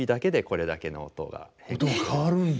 音が変わるんだ。